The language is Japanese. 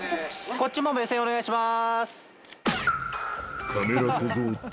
こっちも目線お願いします